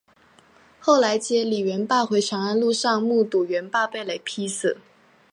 最后接李元霸回长安路上目睹元霸被雷劈死。